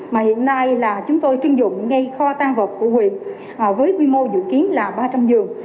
mà hiện nay là chúng tôi chuyên dụng ngay kho tan vật của quyền với quy mô dự kiến là ba trăm linh giường